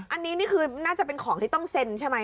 อันนี้นี่คือน่าจะเป็นของที่ต้องเซ็นใช่ไหม